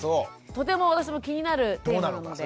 とても私も気になるテーマなので。